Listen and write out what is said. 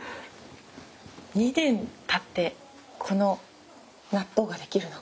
２年たってこの納豆ができるのか。